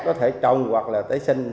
có thể trồng hoặc là tấy sinh